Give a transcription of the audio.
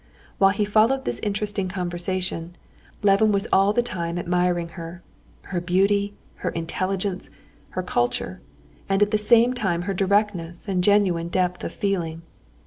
While he followed this interesting conversation, Levin was all the time admiring her—her beauty, her intelligence, her culture, and at the same time her directness and genuine depth of feeling.